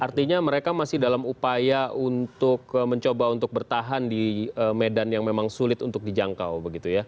artinya mereka masih dalam upaya untuk mencoba untuk bertahan di medan yang memang sulit untuk dijangkau begitu ya